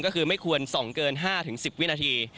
ก็คือไม่ควรส่องเกิน๕๑๐วินาที